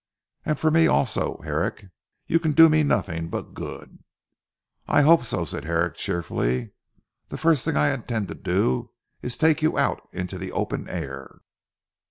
"And for me also Herrick. You can do me nothing but good." "I hope so," said Herrick cheerfully "the first thing I intend to do is to take you out into the open air.